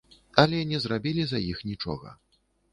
Але не зрабілі за іх нічога.